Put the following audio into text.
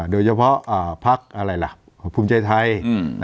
โดยเฉพาะพักอะไรล่ะภูมิใจไทย